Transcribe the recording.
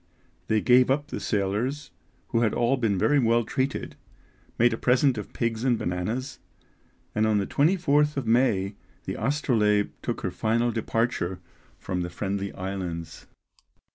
They gave up the sailors, who had all been very well treated, made a present of pigs and bananas; and on the 24th of May the Astrolabe took her final departure from the Friendly Islands.